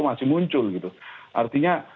masih muncul gitu artinya